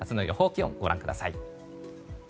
気温、ご覧ください。